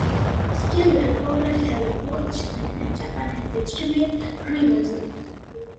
Still, the report held that both China and Japan had legitimate grievances.